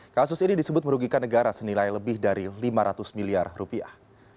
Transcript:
kasus ini disebut merugikan negara senilai lebih dari lima ratus miliar rupiah